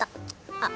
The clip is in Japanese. あっ！